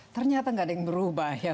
ternyata nggak ada yang berubah ya